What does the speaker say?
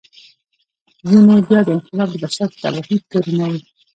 ځینې بیا دا انقلاب د بشر په تباهي تورنوي.